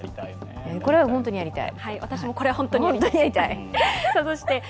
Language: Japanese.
これは本当にやりたい。